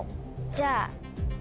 じゃあ。